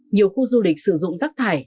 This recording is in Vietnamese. nhiều khu du lịch sử dụng rác thải